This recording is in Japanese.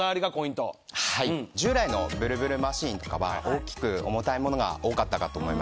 従来のブルブルマシンとかは大きく重たいものが多かったかと思います。